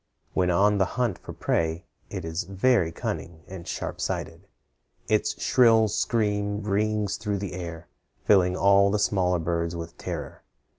When on the hunt for prey, it is very cunning and sharp sighted. Its shrill scream rings through the air, filling all the smaller birds with terror.